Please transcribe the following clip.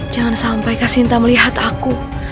jangan sampai kasinta melihat aku